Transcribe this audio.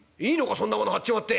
そんなもの張っちまって」。